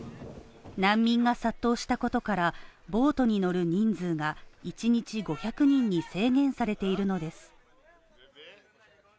難民が殺到したことからボートに乗る人数が１日５００人に制限されているのです。